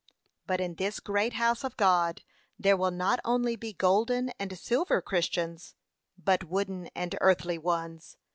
'But in this great house of God there will not only be golden and silver Christians, but wooden and earthly ones.